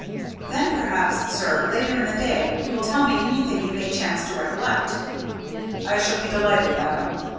"Then perhaps, sir, later in the day you will tell me anything you may chance to recollect." "I shall be delighted, Adam.